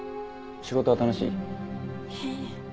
仕事は楽しい？へえ。